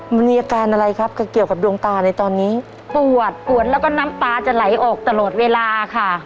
มันมีอาการอะไรครับเกี่ยวกับดวงตาในตอนนี้ปวดปวดแล้วก็น้ำตาจะไหลออกตลอดเวลาค่ะ